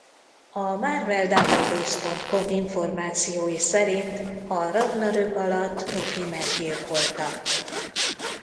A marveldatabase.com információi szerint a Ragnarök alatt Loki meggyilkolta.